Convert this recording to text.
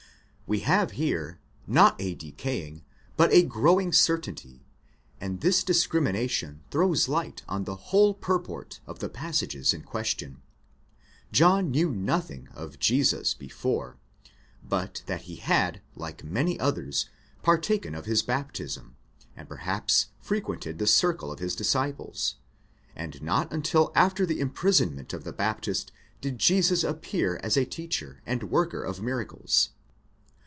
We have here, not a decaying, but a growing certainty, and this discrimina tion throws light on the whole purport of the passages in question. John knew nothing of Jesus before, but that he had, like many others, partaken of his baptism, and perhaps frequented the circle of his disciples ; and not until after the imprisonment of the Baptist did Jesus appear as a teacher, and worker of miracles.